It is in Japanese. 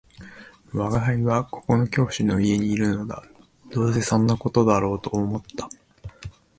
「吾輩はここの教師の家にいるのだ」「どうせそんな事だろうと思った